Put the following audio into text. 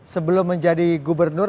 sebelum menjadi gubernur